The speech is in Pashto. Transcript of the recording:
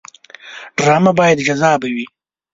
ډرامه باید جذابه وي